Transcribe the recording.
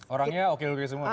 orangnya oke oke semua